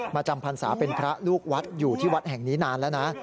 จำพรรษาเป็นพระลูกวัดอยู่ที่วัดแห่งนี้นานแล้วนะ